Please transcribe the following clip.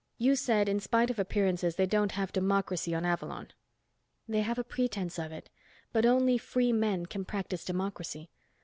You said in spite of appearances they don't have democracy on Avalon." "They have a pretense of it. But only free men can practice democracy.